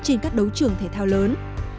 trên các đấu trường thể thao lớn